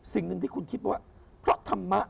สิ่งหนึ่งที่คุณคิดว่าเพราะธรรมะ